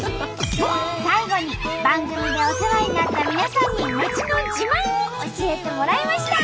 最後に番組でお世話になった皆さんに町の自慢を教えてもらいました！